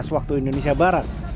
waktu indonesia barat